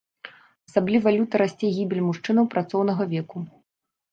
Асабліва люта расце гібель мужчынаў працоўнага веку.